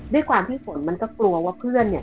ด้วยความที่ฝนมันก็กลัวว่าเพื่อนเนี่ย